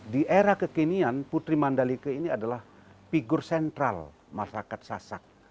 di era kekinian putri mandalika ini adalah figur sentral masyarakat sasak